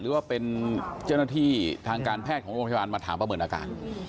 หรือว่าเป็นเจ้าหน้าที่ทางการแพทย์ของโรงพยาบาลมาถามประเมินอาการ